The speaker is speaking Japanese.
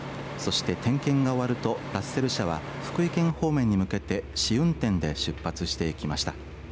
そして点検が終わるとラッセル車は福井県方面に向けて試運転で出発していきました。